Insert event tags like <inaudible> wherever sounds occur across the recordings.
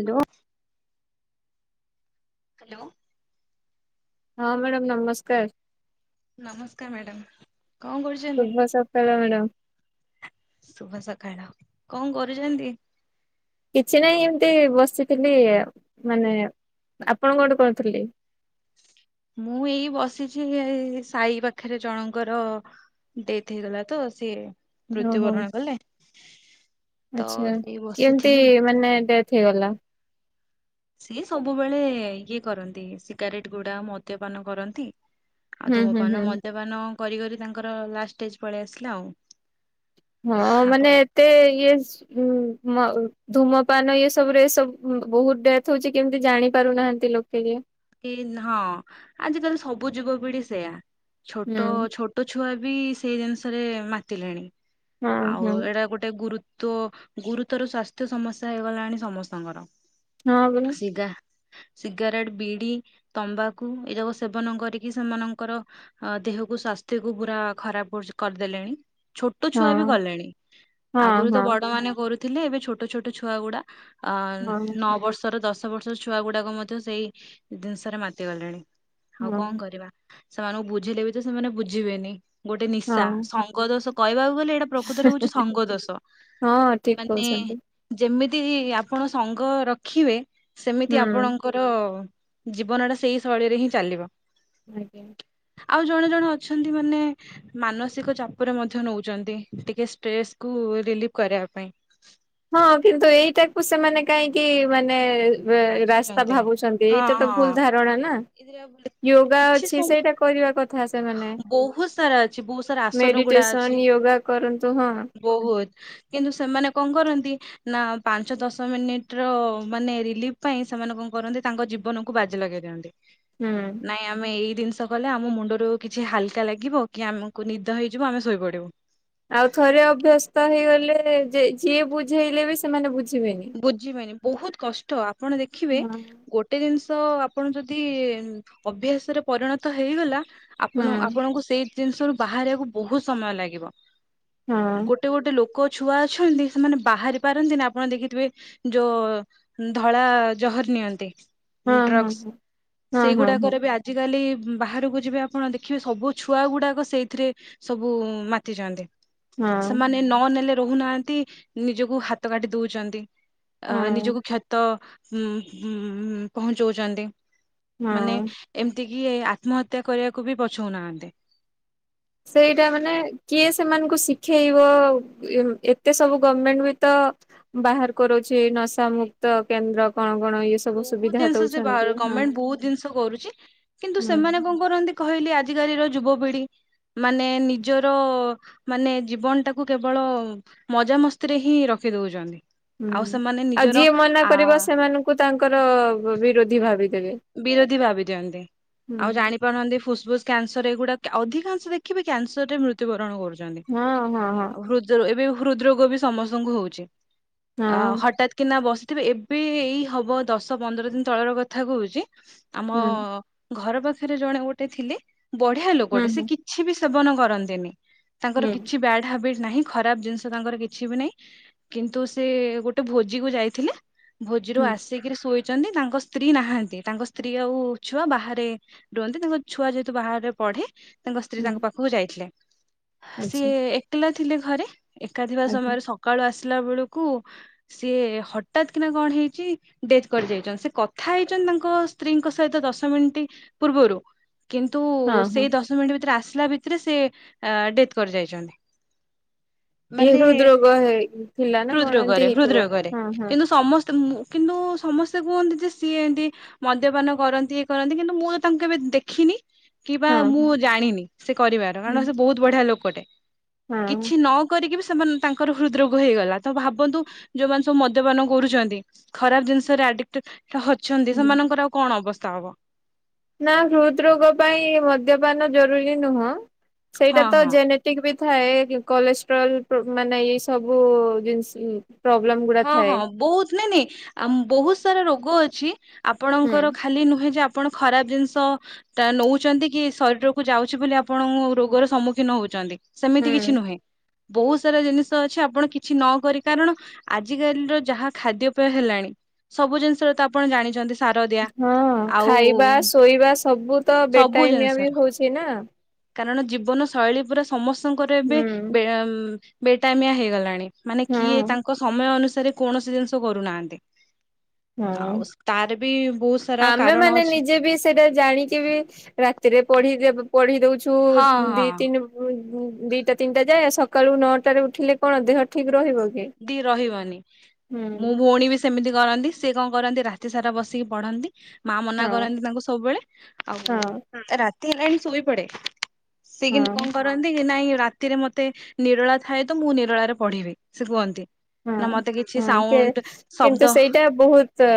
Hello hello ହଁ madam ନମସ୍କାର। ନମସ୍କାର ମ୍ୟାଡ଼ାମ କଣ କରୁ ଶୁଭ ସକାଳ ମ୍ୟାଡ଼ାମ। ଶୁଭ ସକାଳ, କଣ କରୁଛନ୍ତି? କିଛି ନାହିଁ ଏମିତି ବସିଥିଲି ମାନେ ଆପଣ କଠୁ କରୁଥିଲି। ମୁଁ ଏଇ ବସିଛି ଏଇ ସାହି ପାଖରେ ଜଣଙ୍କର ଡେଥ ହେଇଗଲା ତ ସିଏ। ଓହୋ ମୃତ୍ୟୁବରଣ କଲେ ତ ଆଚ୍ଛା ସେଇ କେମତି ବସିଥିଲି। ମାନେ ଡେଥ ହେଇଗଲା। ସିଏ ସବୁବେଳେ ଇଏ କରନ୍ତି। ସିଗାରେଟ ଗୁଡା ମଦ୍ୟପାନ କରନ୍ତି। ଆଉ ହୁଁ ହୁଁ ଧୂମପାନ, ହୁଁ ମଦ୍ୟପାନ କରି କରି ତାଙ୍କର ଲାଷ୍ଟ ଷ୍ଟେଜ ପଳେଇ ଆସିଲା ଆଉ, ହଁ ମାନେ ଆପଣ ଏତେ ଇଏ ମ୍ ଧୂମପାନ ଏ ସବୁରେ ସବୁ ବହୁତ ଡେଥ ହଉଛି କେମିତି ଜାଣି ପାରୁନାହାନ୍ତି ଲୋକେ ଏ କି ହଁ ଆଜିକାଲି ସବୁ ଯୁବପିଢି ସେୟା ହୁଁ ଛୋଟ ଛୋ ଛୋଟ ଛୁଆ ବି ସେଇ ଜିନିଷରେ ମାତିଲେେଣି ହଁ ଆଉ ହଁ ଏଇଟା ଗୋଟେ ଗୁରୁ ତ୍ୱ ଗୁରୁତର ସ୍ଵାସ୍ଥ୍ୟ ସମସ୍ୟା ହେଇଗଲାଣି ସମସ୍ତଙ୍କର, ହଁ ପରା। ଇଗା ସିଗାରେଟ, ବିଡି, ତମ୍ବାକୁ ଏ ଯାକ ସେବନ କରିକି ସେମାନଙ୍କର, ଅ ଦେହକୁ ସ୍ଵାସ୍ଥ୍ୟକୁୁ ପୁରା ଖରାପ କରିଦେଲେଣି। ଛୋଟ ପରା ଛୁଆ ବି କଲେଣି ହଁ ଆଗରୁ ତ ହଁ ବଡ ମାନେ କରୁଥିଲେ ଏବେ ଛୋଟ ଛୋଟ ଛୁଆ ଗୁଡା ଅ ହଁ ହଁ ନଅ ବର୍ଷର ଦଶ ବର୍ଷର ଛୁଆ ଗୁଡାକ ମଧ୍ୟ ସେଇ ଜିନିଷରେ ମାତିଗଲେଣି। ଆଉ ହଁ କଣ କରିବା ସେମାନଙ୍କୁ ବୁଝିଲେ ବି ତ ସେମାନେ ବୁଝିବେନି ଗୋଟେ ନିଶା ହଁ ସ ଗ ଦୋଷ କହିବାକୁ ଗଲେ ଏଇଟା ପ୍ରକୃତରେ ହଉଛି ସଙ୍ଗଦୋଷ ହଁ ଠିକ ମାନେ କହୁଛନ୍ତି ଯେମିତି ଆପଣ ସଙ୍ଗ ରଖିବେ ସେମିତି ହୁଁ ଆପଣଙ୍କର ଜୀବନ ଟା ସେଇ ଶୈଳୀରେ ହିଁ ଚାଲିବ। ଆଜ୍ଞା। ଆଉ ଜଣେ ଜଣେ ଅଛନ୍ତି ମାନେ ମାନସିକ ଚାପରେ ମଧ୍ୟ ନଉଛନ୍ତି ଟିକେ ଷ୍ଟ୍ରେସ୍ କୁ ରିଲିଫ କରିବା ପାଇଁ। ହଁ କିନ୍ତୁ ଏଇଟାକୁ ସେମାନେ କାହିଁକି ମାନେ ରାସ୍ତା ବାଛୁଛନ୍ତି ଭାବୁଛନ୍ତି ଏଇଟା ତ ଭୁଲ ଧାରଣା ନା। ଏରିଆ ବୁ ୟୋଗା ଅଛି ସେଇଟା କରିବା କଥା ସେମାନେ ବହୁତ ସାରା ଅଛି ବହୁତ ସାରା ଆସନ ଗୁଡା ମେଡିଟେସନ ଅଛି ୟୋଗା କରନ୍ତୁ ହଁ। ବହୁତ କିନ୍ତୁ ସେମାନେ କଣ କରନ୍ତି ନା ପାଞ୍ଚ ଦଶ ମିନିଟ ର ମାନେ ରିଲିଫ ପାଇଁ ସେମାନେ କଣ କରନ୍ତି ତାଙ୍କ ଜୀବନକୁ ବାଜି ଲଗେଇ ଦିଅନ୍ତି ହୁଁ ନାଇଁ ଆମେ ଏଇ ଜିନିଷ କଲେ ଆମ ମୁଣ୍ଡରୁ କିଛି ହାଲକା ଲାଗିବ କି ଆମକୁ ନିଦ ହେଇଯିବ ଆମେ ଶୋଇପଡିବୁ। ଆଉ ଥରେ ଅଭ୍ୟସ୍ତ ହେଇଗଲେ ଯିଏ ବୁଝେଇଲେ ବି ସେମାନେ ବୁଝିବେନି। ବୁଝିବେନି ବହୁତ କଷ୍ଟ ଆପଣ ଦେଖିବେ ହଁ ଗୋଟେ ଜିନିଷ ଆପଣ ଯଦି ଅଭ୍ୟାସରେ ପରିଣତ ହେଇଗଲା। ହଁ ଆପଣ ଆପଣଙ୍କୁ ସେଇ ଜିନିଷରୁୁ ବାହାରିବାକୁ ବହୁତ ସମୟ ଲାଗିବ ଗୋ ହଁ ଗୋଟେ ଗୋଟେ ଲୋକ ଛୁଆ ଅଛନ୍ତି ସେମାନେ ବାହାରି ପାରନ୍ତି ନା ଆପଣ ଦେଖି ଥିବେ ଯୋଉ ଧଳା ଜହର ନିଅନ୍ତି। ହଁ ଡ୍ରଗସ ହଁ ହଁ ହଁ ହଁ ସେଇଗୁଡାକରେ ବି ଆ ଆଜିକାଲି ବାହାରକୁ ଯିବେ ଆପଣ ଦେଖିବେ ସବୁ ଛୁଆ ଗୁଡ଼ାକ ସେଇଥିରେ ସବୁ ମାତିଛନ୍ତି। ସେମାନେ ନ ନେଲେ ରହୁନାହାନ୍ତି ନିଜକୁ ହାତ କାଟିି ଦଉଛନ୍ତି। ହଁ ଅ ହଁ ନିଜକୁ କ୍ଷତ ଉଁ ଉଁ ପହଞ୍ଚଉଛନ୍ତି ମାନେ ହଁ ଏମିତିକି ଆତ୍ମହତ୍ୟା କରିବାକୁ ବି ପଛଉନାହାଁନ୍ତି। ସେଇଟା ମାନେ କିଏ ସେମାନଙ୍କୁ ଶିଖେଇବ। ଏତେ ସବୁ ଗମେଣ୍ଟ ବି ତ ବାହାର କରୁଛି ନଶା ମୁକ୍ତ କେନ୍ଦ୍ର କଣ କଣ ୟେ ସ ବହୁତ ଜିନିଷ ସେ ବା ଗମେଣ୍ଟ ବହୁତ ଜିନିଷ କରୁଛି କିନ୍ତୁ ହୁଁ ସେମାନେ କଣ କରନ୍ତି କହିଲି ଆଜିକାଲି ର ଯୁବପିଢି ମାନେ ନିଜର ମାନେ ଜୀବନ ଟାକୁ କେବଳ ମଜା ମସ୍ତିରେ ହିଁ ରଖି ଦଉଛନ୍ତି। ହୁଁ ଆଉ ସେମାନେ ଆଉ ନିଜର ଯିଏ ମନା ଆ କରିବ ସେମାନଙ୍କୁ ତାଙ୍କର ବିରୋଧୀ ଭାବି ଦେବେ। ବିରୋଧୀ ଭାବି ଦିଅନ୍ତି ଆଉ ଜାଣି ନ୍ତି ଫୁସ୍ଫୁସ୍ କ୍ୟାନସର୍ ଏଗୁଡା ଅଧିକାଂଶ ଦେଖିବେ କ୍ୟାନସର୍ ରେ ମୃ ତ୍ୟୁବରଣ କରୁଛନ୍ତି ହଁ ହଁ ହଁ ଆଉ ହୃଦ ଏବେ ହୃଦ ରୋଗ ବି ସମସ୍ତଙ୍କୁ ହଉଛି। ହଁ ଅ ହଠାତ୍ କିନା ବସିଥିବେ ଏବେ ଏଇ ହବ ଦଶ ପନ୍ଦର ଦିନ ତଳର କଥା କହୁଛି। ଆମ ହୁଁ ଘର ପାଖରେ ଜଣେ ଗୋଟେ ଥିଲେ ବଢିଆ ହୁଁ ଲୋକଟେ ସେ ହୁଁ କି କିଛି ବି ସେବନ କରନ୍ତିନି ତାଙ୍କର ହୁଁ କିଛି ବ୍ୟାଡ ହବିଟ୍ ନାହିଁ ଖରାପ ଜିନିଷ ତାଙ୍କର କିଛି ବି ନାହିଁକିନ୍ତୁ ସେ ଗୋଟେ ଭୋଜି କୁ ଯାଇଥିଲେ। ଭୋଜିରୁ ହୁଁ ଆସିକିରି ଶୋଇଛନ୍ତି ତାଙ୍କ ସ୍ତ୍ରୀ ନାହାନ୍ତି। ତାଙ୍କ ସ୍ତ୍ରୀ ଆଉ ଛୁଆ ବାହାରେ ରୁହନ୍ତି ତାଙ୍କ ଛୁଆ ଯେହେତୁ ବାହାରେ ପଢେ ତାଙ୍କ ସ୍ତ୍ରୀ ହୁଁ ତାଙ୍କ ପାଖ କୁ ଯାଇଥିଲେ ଆଚ୍ଛା ସିଏ ଏକଲା ଥିଲେ ଘରେ ଏକା ଥିବା ଆଜ୍ଞା ସମୟରେ ସକ ସକାଳୁ ଆସିଲା ବେଳକୁ ସିଏ ହଠାତ କିନା କଣ ହେଇଛି ଡେଥ୍ କରି ଯାଇଛନ୍ତି, ସେ କଥା ହେଇଛନ୍ତି ତାଙ୍କ ତାଙ୍କ ସ୍ତ୍ରୀ ଙ୍କ ସହିତ ଦଶ ମିନିଟ ପୂର୍ବରୁ କିନ୍ତୁ ହଁ ହଁ ସେଇ ଦଶ ଦଶ ମିନିଟ ଭିତରେ, ଆସିଲା ଭିତରେ ସେ ଡେଥ୍ କରି ଯାଇଛନ୍ତି। ଇଏ ମାନେ ହୃଦ ରୋଗ ଥିଲା ନା କଣ ହୁଦରୋଗ ଏମତି ରେ, ହେଇଥିବ ହୁଦରୋଗ ରେ ହଁ ହଁ କିନ୍ତୁ ସମସ୍ତେ ମୁଁ କିନ୍ତୁ ସମସ୍ତେ କୁହନ୍ତି ଯେ ସିଏ ଏମିତି ମଦ୍ୟପାନ କରନ୍ତି, ଇଏ କରନ୍ତି କିନ୍ତୁ ମୁଁ ତ ତାଙ୍କୁ କେବେ ଦେଖିନି କିିବା ହଁ ମୁଁ ହଁ ଜାଣିନି ସେ କରିବାର। ହଁ କାରଣ ସେ ବହୁତ ବଢିଆ ଲୋକଟେ। ହଁ କିଛି ନ କିଛି ନ କରୀକି ବି ତାଙ୍କର ହୃଦରୋଗ ହେଇଗଲା। ତ ଭାବନ୍ତୁ ଯୋଉ ମାନେ ସବୁ ମଦ୍ୟପାନ କରୁଛନ୍ତି ଖରାପ ଜିନିଷ ରେ ଆଡ଼ି ଟେକ୍ଟ ଅଛନ୍ତି, ହୁଁ ସେମାନଙ୍କର ଆଉ କଣ ଅବସ୍ଥା ହବ। ନା ହୃଦ ରୋଗ ପାଇଁ ମଦ୍ୟପାନ ଜରୁରୀ ନୁହଁ, ହଁ ସେଇଟା ତ ହଁ ଜନେ ଟିକ ବି ଥାଏ କଲେଷ୍ଟ୍ରୋଲ୍ ମାନେ ଏଇ ସବୁ ଜିନିଷ ପ୍ରୋବ୍ଲେମ୍ ଗୁଡ଼ି ହଁ ହଁ ବହୁତ ନାଇଁ ନାଇଁ ବହୁତ ସାରା ରୋଗ ଅଛି ହୁଁ ଆପଣଙ୍କର ଖା ଖାଲି ନୁହେଁ ଯେ ଆପଣ ଖରାପ ଜିନିଷ ତା ନଉଛନ୍ତି କି ଶରୀରକୁୁ ଯାଉଛି ବୋଲି ଆପଣଙ୍କୁ ରୋଗର ସମ୍ମୁଖୀନ ହଉଛନ୍ତି। ସେମିତି କିଛି ହୁଁ। ନୁହେଁ ବହୁତ ସାରା ଜିନିଷ ଅଛି ଆପଣ କିଛି ନ କରି କାରଣ ଆଜି କାଲିର ଯାହା ଖାଦ୍ୟପେୟ ହେଲାଣି, ସବୁ ଜିନିଷର ତ ଆପଣ ଜାଣିଛନ୍ତି ସାର ଦିଆ ହଁ ଆଉ ଖାଇବା, ଶୋଇବା ସବୁ ତ ସବୁ ବେଟାଇମିଆ ଜିନିଷର ବି ହଉଛି ନା କାରଣ ଜୀବନ ଶୈଳୀ ପୁରା ସମସ୍ତଙ୍କର ଏବେ ହୁଁ। ବେ ବେଟାଇମିଆ ହେଇଗଲାଣି। ମାନେ କିଏ ହଁ ତାଙ୍କ ସମୟ ଅନୁସାରେ କୌଣସି ଜିନିଷ କରୁ ନାହାନ୍ତି। ହଁ ଆଉ ତାର ବି ବହୁତ ସାରା ଆମେ କାରଣ ମାନେ ଅଛି। ନିଜେ ବି ସେ ସେଇଟା ଜାଣିକି ବି ରାତିରେ ପଢି, ପଢି ଦଉଛୁ ହଁ ହଁ ଦି ତିନି ଦିଟା ତିନିଟା ଯାଏ, ସକାଳୁ ନଅଟା ରେ ଉଠିଲେ କଣ ଦେହ ଠିକ ରହିବ କି? ଠିକ ରହିବନି, ମୋ ହୁଁ। ଭଉଣୀ ବି ସେ ସେମିତି କରନ୍ତି ସିଏ କଣ କରନ୍ତି ରାତି ସାରା ବସିକି ପଢନ୍ତି, ମା ମନା ହଁ କରନ୍ତି ତାଙ୍କୁ ସବୁବେଳେ ହଁ। ଆଉ ରାତି ହେଲାଣି ଶୋଇପଡେ, ସେି କିନ୍ତୁ କଣ ହଁ କରନ୍ତି କି ନାଇଁ ରା ତି ରେ ମତେ ନିରଳା ଥାଏ ତ ମୁଁ ନିରଳା ରେ ପଢିବି ସେ କୁହନ୍ତି। ହୁଁ ନା ମତେ କିଛି ହଁ ସେ ସାଉଣ୍ଡ ଶବ୍ଦ କିନ୍ତୁ ସେଇଟା ବହୁତ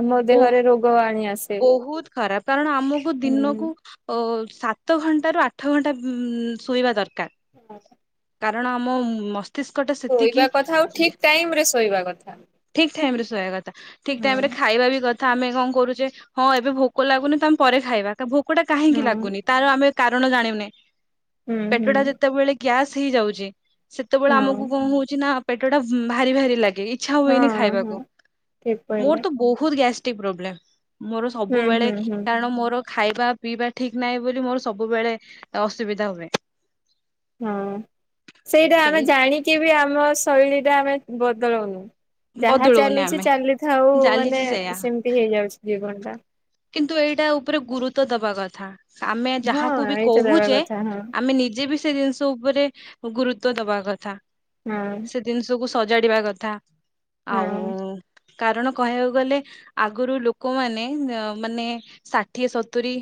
ଆମ ବହୁ ଦେହରେ ରୋଗ ଗ ଆଣିଆ ବହୁତ ଖରାପ, କାରଣ ଆମକୁ ହୁଁ ଦିନକୁ ଓ ହ ସାତ ଘଣ୍ଟାରୁ ଆଠ ଘଣ୍ଟା ଉ ଶୋଇବା ଦରକାର। ହଁ କାରଣ ଆମ ମସ୍ତିଷ୍କ ଟା ସେତିକି କଥା ଆଉ ଠିକ ଟାଇମ ରେ ଶୋଇବା କଥା। ଠିକ୍ ଟାଇମ ରେ ଶୋଇବା କଥା, ଠିକ ଟାଇମ ରେ ହଁ ଖାଇବା ବି କଥା ଆମେ କଣ କରୁଛେ ହଁ ଏବେ ଭୋକ ଲାଗୁନି ତ ଆମେ ପରେ ଖାଇବା, ଭୋକଟା କାହିଁକି ହଁ ଲାଗୁନି ତାର ଆମେ କାରଣ ଜାଣିନେ, ହୁଁ ହୁଁ ପେଟଟା ଯେତେବେଳେ ଗ୍ୟାସ୍ ହେଇଯାଉଛି ସେତେବେଳେ ହଁ ଆମକୁ କଣ ହଉଛି ନା ପେଟ ଟା ଭାରି ଭାରି ଲାଗି ଇଛା ହୁଏନି ହଁ ହଁ ଖାଇବାକୁ, ଠିକ କହିଲେ। ମୋର ତ ବହୁତ ଗ୍ୟାଷ୍ଟ୍ରିକ ପ୍ରୋବ୍ଲେମ। ମୋର ହୁଁ ସବୁବେଳେ ହୁଁ ହୁଁ କାରଣ ମୋର ଖାଇବା ପିଇବା ଠିକ୍ ନାହିଁ ବୋଲି ମୋର ସବୁବେଳେ ଅସୁବିଧା ହୁଏ। ହଁ ସେଇଟା ଆମେ ସେଇ ଜାଣିକି ବି ଆମ ଶୈଳୀଟା ଆମେ ବଦଳାଉନୁ। ଯାହା ବଦଳଉନି ଚାଲିଛି ଆମେ ଚାଲିଥାଉ ମାନେ ଚାଲିଛି ସେଇୟା ସେମିତି ହେଇଯାଉଛି ଜୀବନ ଟା। କିନ୍ତୁ ଏଇଟା ଉପରେ ଗୁରୁତ୍ୱ ଦବା କଥା। ଆମେ ହଁ ଯାହାକୁ ବି ଏଇଟା ଦେବା କହୁଛେ କଥା ହଁ ଆମେ ନିଜେ ବି ସେ ଜିନିଷ ଉପରେ ଗୁରୁତ୍ବ ଦବା କଥା। ହଁ। ଜିନିଷକୁୁ ସଜାଡିବା କଥା, ହଁ ଆଉ କାରଣ କହିବାକୁ ଗଲେ ଆଗରୁ ଲୋକମାନେ ମାନେ ଷାଠିଏ ସତୁରି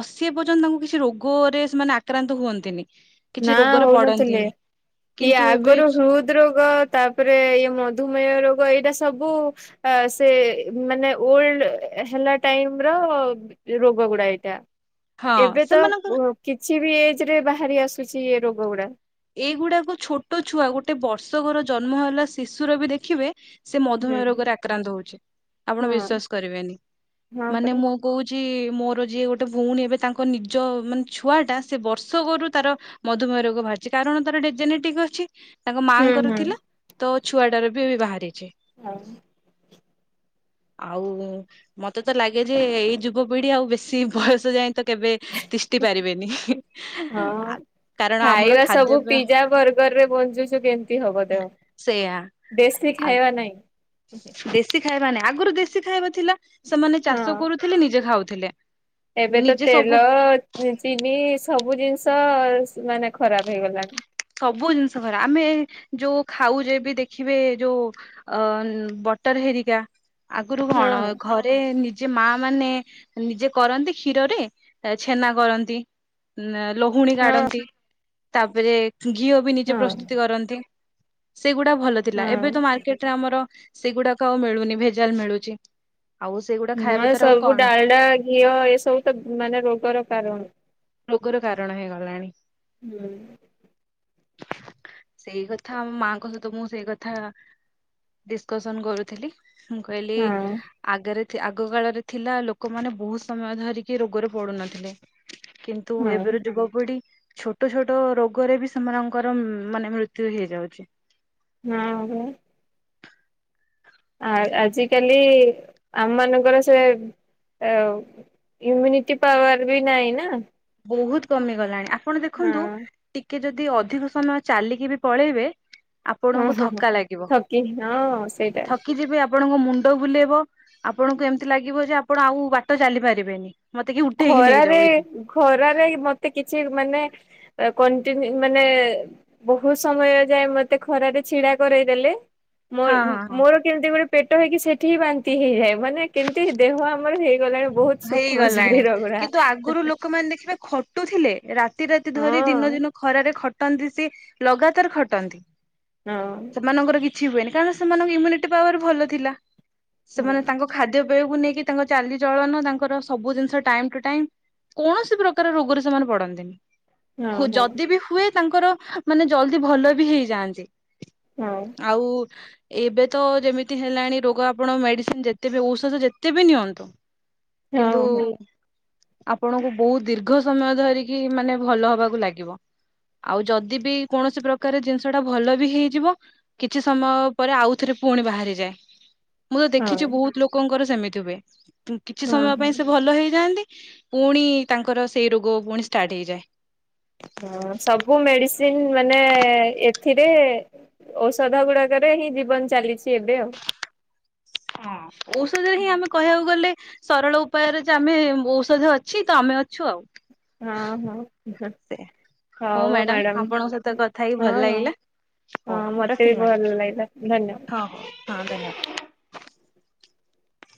ଅଶୀ ପର୍ଯ୍ୟନ୍ତ ତାଙ୍କୁ କିଛି ରୋଗରେ ସେମାନେ ଆକ୍ରାନ୍ତ ହୁଅନ୍ତିନି। କିଛି ନା ରୋଗରେ ହଉନଥିଲେ ପଡନ୍ତିନି ଇଏ କିନ୍ତୁ ଏବେ ଆଗରୁ ହୃଦ ରୋଗ ତା ତାପରେ ଇ ମଧୁମେହ ରୋଗ ଏଇଟା ସବୁ ଆ ସେ ମାନେ ଓଲଡ ହେଲା ଟାଇମ୍ ର ରୋଗ ଗୁଡା ଏଇଟା ହଁ ଏବେ ତ ସେମାନଙ୍କ କିଛି ବି ଏଜ୍ ରେ ବାହାରି ଆସୁଛି ଏ ରୋଗ ଗୁଡା। ଏଇଗୁଡାକ ଛୋଟ ଛୁଆ ଗୋଟେ ବର୍ଷକର ଜନ୍ମ ହେଲା ଶିଶୁର ବି ଦେଖିବେ ସେ ହୁଁ ମଧୁମେହ ରୋଗରେ ଆକ୍ରାନ୍ତ ହଉଛି ଆପଣ ହଁ ବିଶ୍ଵାସ କରିବେନି ହଁ ମାନେ ପରା ମୁଁ କହୁଛି ମୋର ଯିଏ ଗୋଟେ ଭଉଣୀ ଏବେ ତାଙ୍କ ନିଜ ମାନେ ଛୁଆଟା ସେ ବର୍ଷଗରୁ ତାର ମଧୁମେୟ ରୋଗ ଭାରି କାରଣ ତାର ଟେ ଜେନେଟିକ ଅଛି ତାଙ୍କ ହୁଁ ମାଆଙ୍କର ହୁଁ ଥିଲା ତ ଛୁଆଟାର ବି ଏବେ ବାହାରିଛି। ହଁ। ଆଉ ମତେ ତ ଲାଗେ ଯେ ଏଇ ଯୁବପିଢ଼ି ଆଉ ବେଶୀ ବୟସ ଯାଏ ତ କେବେ ତିଷ୍ଠି ପାରିବେନି, ହଁ ଆ କାରଣ ଆମର ଖାଇବା ସବୁ ଖାଦ୍ୟପେୟ ପିଜା ବର୍ଗର ରେ ବଞ୍ଚୁଛୁ କେମିତି ହବ ଦେହ ସେଇଆ। ଦେଶୀ ଆଉ ଖାଇବା ନାହିଁ ଦେଶୀ ଖାଇବା ନାଇ ଆଗରୁ ଦେଶୀ ଖାଇବା ଥିଲା ସେମାନେ ଚାଷ ହଁ। କରୁଥିଲେ ନିଜେ ଖାଉଥିଲେ। ଏବେ ତ ନିଜେ ସବୁ ତେଲ ଚିନି ସବୁ ଜିନିଷ ମାନେ ଖରାପ ହେଇଗଲାଣି। ସବୁ ଜିନିଷ ଖରାପ ଆମେ ଯୋଉ ଖାଉ ଯେ ବି ଦେଖିବେ ଯୋଉ ଅ ବଟର ହେରିକା ଆଗରୁ କଣ ହଁ ଘ ରେ ନିଜେ ମା ମାନେ ନିଜେ କରନ୍ତି କ୍ଷୀରରେ ଏ ଛେନା କରନ୍ତି। ଲହୁଣୀ ହଁ କାଢ଼ନ୍ତି, ତାପରେ ଘିଅ ବି ନିଜେ ହଁ। ପ୍ରସ୍ତୁତି କରନ୍ତି। ସେଗୁଡା ଭଲ ଥିଲା ହଁ ଏବେ ତ ମାର୍କେଟ ରେ ଆମର ସେଇଗୁଡ଼ାକ ଆଉ ମିଳୁନି ଭେଜାଲ ମିଳୁଛି ଆଉ ସେଗୁଡ଼ା ହଁ ଖାଇବା ତାଆର ଆଉ ସବୁ କଣ? ଡାଲଡା ଘିଅ ଏସବୁ ତ ମାନେ ରୋଗର କାରଣ ରୋଗର କାରଣ ହେଇଗଲାଣି। ହୁଁ। <unintelligible> ସେଇ କଥା ଆମ ମାଙ୍କ ସହିତ ମୁଁ ସେଇ କଥା ଡିସକସନ୍ କରୁଥିଲି। ମୁଁ କହିଲି ହଁ ଆଗରେ ଆଗ କାଳରେ ଥିଲା ଲୋକମାନେ ବହୁତ ସମୟ ଧରିକି ରୋଗରେ ପଡୁନଥିଲେ। କିନ୍ତୁ ହଁ ଏବେର ଯୁଗପିଢ଼ି ଛୋ ଛୋଟ ଛୋଟ ରୋଗରେ ବି ସେମାନଙ୍କର ମାନେ ମୃତ୍ୟୁ ହେଇଯାଉଛି। <unintelligible> ଆ ସେଇ ଆଜିକାଲି ଆମ ମାନଙ୍କର ସେ ଏ ଇମ୍ୟୁନିଟି ପାୱାର ବି ନାହିଁ ନା। ବହୁତୁ କମିଗଲାଣି ଆପଣ ହଁ ଦେଖନ୍ତୁ। ହଁ ଟିକେ ଯଦି ଅଧିକ ସମୟ ଚାଲିକି ବି ପଳେଇବେ ଆପଣ। ହଁ, ହଁ, ହଁ ଥକି ହଁ ସେଇଟା। କି ଯେବେ ଆପଣଙ୍କ ମୁଣ୍ଡ ବୁଲେଇବ ଆପଣଙ୍କୁ ଏମିତି ଲାଗିବ ଯେ ଆପଣ ଆଉ ବାଟ ଚାଲିପାରିବେନି। ମତେ କିଏ ଉଠେଇ କି ନେଇ ଖରାରେ ଯାଉ ଏଇନେ। ଖରାରେ ମତେ କିଛି ମାନେ କନ ତିନି ମାନେ। ବହୁତୁ ସମୟ ଯାଏ ମତେ ଖରାରେ ଛିଡା କରେଇ ଦେଲେ। ହଁ ମୋର, ହଁ ହଁ ମୋର କେମିତି ଗୋଟେ ପେଟ ହେଇକି ସେଠି ବାନ୍ତି ହେଇଯାଏ ମାନେ କେମିତି ଦେହ ଆମର ହେଇ। ଶୀତ ଲାଗେ ବହୁତୁ ସୂକ୍ଷ୍ମ ସୁ। ଜାଣେ କିନ୍ତୁ ଆଗୁରୁ ଲୋକ। ଲୋକମାନେ ଦେଖିବେ ଖଟୁଥିଲେ ରାତି, ରାତି ଧରି ଦିନ, ହଁ ଦିନ ଖରାରେ ଖଟୁ। ଖଟନ୍ତି ସିଏ ଲଗାତାର ଖଟନ୍ତି। ହଁ। ସେମାଙ୍କର କିଛି ହୁଏନି କାରଣ ସେ ମାନଙ୍କ ଇମ୍ୟୁନିଟି ପାୱାର ଭଲ ଥିଲା ସେମାନେ ତାଙ୍କ। ଖାଦ୍ୟ ପେୟକୁ ନେଇକି ତାଙ୍କ ଚାଲି। ଜଳ ନୁହେଁ ତାଙ୍କର ସବୁ ଜିନିଷ ଟାଇମ୍ ଟୁ ଟାଇମ୍ କୌଣସି ପ୍ରକାର ରୋଗରେ ସେମାନେ ପଡନ୍ତିନି। ହଁ ହଁ ହୁ ହଁ ଯଦି ବି ହୁଏ ତାଙ୍କର ମାନେ ଜଲଦି ଭଲ ବି ହେଇଯାଆନ୍ତି। ଆଉ। ଆଉ। ଏବେ ତ ଯେମିତି ହେଲାଣି ରୋଗ ଆପଣ ମେଡିସିନ ଯେତେ ବି ଔଷଧ ଯେତେ ବି ନିଅନ୍ତୁ। ହଁ କିନ୍ତୁ। ହଁ ଆପଣଙ୍କୁ ବହୁତ ଦୀର୍ଘ ସମୟ ଧରିକି ମାନେ ଭଲ ହବାକୁ ଲାଗିବ। ଆଉ ଯଦି ବି କୌଣସି ପ୍ରକାରେ ଜିନିଷ ଟା ଭଲ ବି ହେଇଯିବ। କିଛି ସମୟ ପରେ ଆଉଥରେ ପୁଣି ବାହାରିଯାଏ। ମୁଁ ତ ଦେଖିଛି ହଁ ବହୁତ ଲୋକଙ୍କର ସେମିତି ହୁଏ କିଛି ହଁ ସମୟ ହଁ ପାଇଁ ସେ ଭଲ ହେଇଯାଆନ୍ତି। ପୁଣି ତାଙ୍କର ସେଇ ରୋଗ ପୁଣି ଷ୍ଟାର୍ଟ ହେଇଯାଏ। ହଁ ସବୁ ମେଡିସିନ ମାନେ ଏଥିରେ। ଔଷଧ ଗୁଡାକରେ ହିଁ ଜୀବନ ଚାଲିଛି ଏବେ ଆଉ। ହଁ ଔଷଧ ହିଁ ଆମ। କହିବାକୁ ଗଲେ ସରଳ ଉପାୟରେ ଯେ ଆମେ ଔଷଧ ଅଛି ତ ଆମେ ଅଛୁ ଆଉ। ହଁ, ହଁ ହଉ ମ୍ୟାଡାମ ମ୍ୟାଡ଼ାମ୍ ଆପଣଙ୍କ ସହିତ କଥା ହେଇକି ଭଲ ହଁ, ହଁ। ଲାଗିଲା। ହଉ ହଁ ମତେ ବି ଭଲ ଲାଗିଲା ଧନ୍ୟବାଦ। ହଁ ଧନ୍ୟବାଦ।